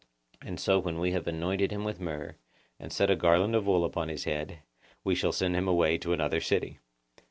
And so when we have anointed him with myrrh, and set a garland of wool upon his head, we shall send him away to another city.